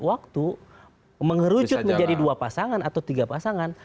waktu mengerucut menjadi dua pasangan atau tiga pasangan